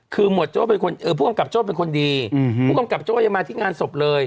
คือผู้กำกับโจ้เป็นคนดีผู้กำกับโจ้ยังมาที่งานศพเลย